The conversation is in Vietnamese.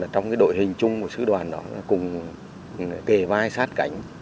trong cái đội hình chung của sứ đoàn đó cùng kề vai sát cảnh